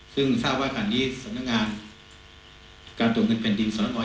ซึ่งทางวันอาจารย์สำนักงานการตรวจเงินเผ็ดดินสำนักงาน